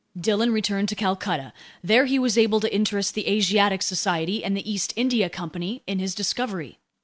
Dillon returned to Calcutta. There he was able to interest the Asiatic Society and the East India Company in his discovery.